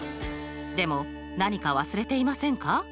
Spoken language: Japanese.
でも何か忘れていませんか？